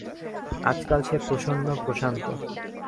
আজকাল সে প্রসন্ন প্রশান্ত।